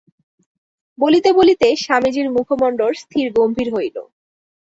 বলিতে বলিতে স্বামীজীর মুখমণ্ডল স্থির গম্ভীর হইল।